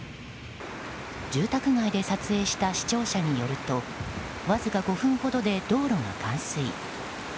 住宅街で撮影した視聴者によるとわずか５分ほどで道路が冠水。